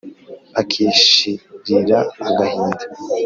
akishirira agahinda.